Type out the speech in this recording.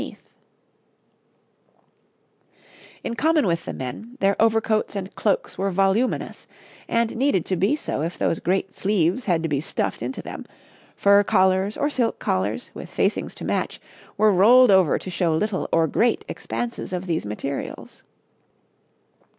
three types of hat for women}] In common with the men, their overcoats and cloaks were voluminous, and needed to be so if those great sleeves had to be stuffed into them; fur collars or silk collars, with facings to match, were rolled over to show little or great expanses of these materials.